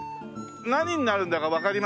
何になるんだかわかります？